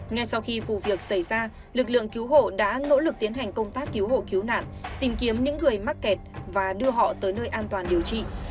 ngay sau khi vụ việc xảy ra lực lượng cứu hộ đã nỗ lực tiến hành công tác cứu hộ cứu nạn tìm kiếm những người mắc kẹt và đưa họ tới nơi an toàn điều trị